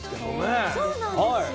そうなんですよ。